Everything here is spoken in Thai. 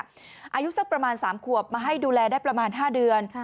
อายุสักประมาณ๓ขวบมาให้ดูแลได้ประมาณ๕เดือน